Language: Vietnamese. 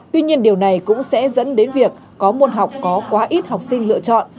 tuy nhiên điều này cũng sẽ dẫn đến việc có môn học có quá ít học sinh lựa chọn